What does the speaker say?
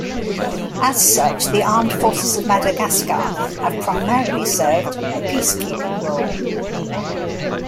As such the armed forces of Madagascar have primarily served a peace-keeping role.